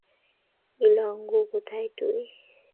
ইলাঙ্গো, কোথায় তুই?